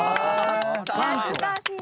懐かしい！